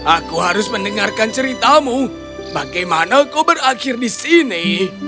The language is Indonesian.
aku harus mendengarkan ceritamu bagaimana kau berakhir di sini